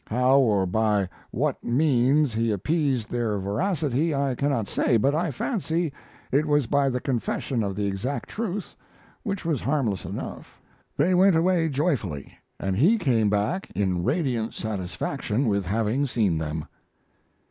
How or by what means he appeased their voracity I cannot say, but I fancy it was by the confession of the exact truth, which was harmless enough. They went away joyfully, and he came back in radiant satisfaction with having seen them.